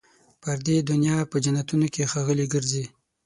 پر دې دنیا په جنتونو کي ښاغلي ګرځي